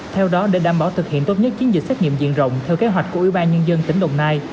theo đó để đảm bảo thực hiện tốt nhất chiến dịch xét nghiệm diện rộng theo kế hoạch của ủy ban nhân dân tỉnh đồng nai